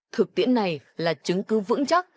thực tiễn này là chứng cứ vững chắc